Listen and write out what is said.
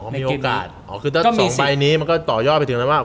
มีโอกาสอ๋อคือถ้าสองใบนี้มันก็ต่อยอดไปถึงแล้วว่า